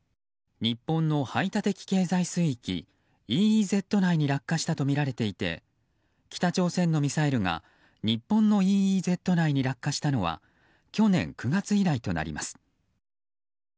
日本の排他的経済水域・ＥＥＺ内に落下したとみられていて北朝鮮のミサイルが日本のＥＥＺ内に落下したのは去年９月以来となります。